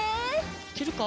いけるか？